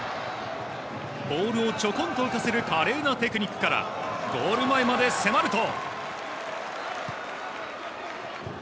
ボールをちょこんと浮かせる華麗なテクニックから、ゴール前まで迫ると。